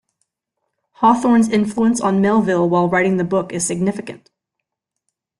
Hawthorne's influence on Melville while writing the book is significant.